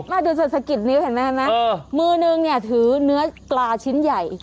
น่าจะดูสักนิ้วเห็นไหมนะมือหนึ่งถือเนื้อกราชิ้นใหญ่